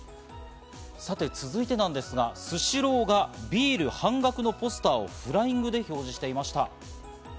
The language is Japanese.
さて続いてなんですが、スシローがビール半額のポスターをフライングで表示していました。